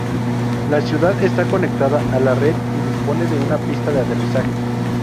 La ciudad está conectada a la red y dispone de una pista de aterrizaje.